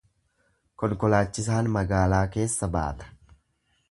Konkolaachisaan magaalaa keessa baata.